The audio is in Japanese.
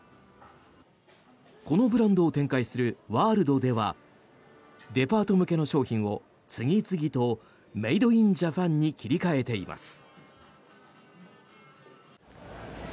このブランドを展開するワールドではデパート向けの商品を次々とメイド・イン・ジャパンに切り替えています。